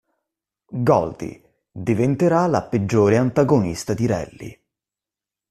Goldie: diventerà la peggiore antagonista di Rally.